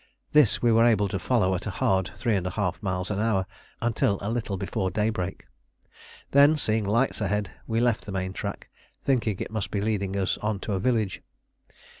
This we were able to follow at a hard 3½ miles an hour until a little before daybreak. Then seeing lights ahead, we left the main track, thinking it must be leading us on to a village.